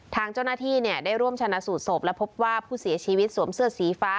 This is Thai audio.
ทางเจ้าหน้าที่เนี่ยได้ร่วมชนะสูตรศพและพบว่าผู้เสียชีวิตสวมเสื้อสีฟ้า